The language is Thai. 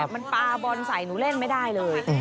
มันปลาบอลใส่หนูเล่นไม่ได้เลย